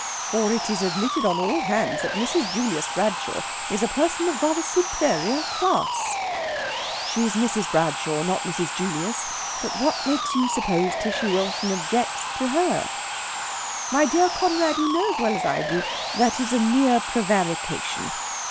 For it is admitted on all hands that Mrs. Julius Bradshaw is a person of rather superior class." "She's Mrs. Bradshaw not Mrs. Julius. But what makes you suppose Tishy Wilson objects to her?" "My dear Conrad, you know as well as I do that is a mere prevarication.